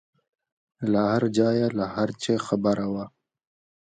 له هرځايه له هرڅه خبره وه.